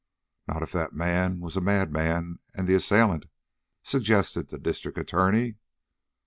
"Not if that man was a madman and the assailant," suggested the District Attorney.